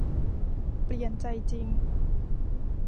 เปลี่ยนใจจริง